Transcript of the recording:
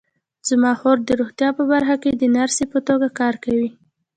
زما خور د روغتیا په برخه کې د نرسۍ په توګه کار کوي